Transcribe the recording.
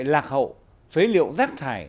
lạc hậu phế liệu rác thải